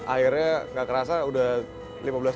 akhirnya gak kerasa udah lima belas tahun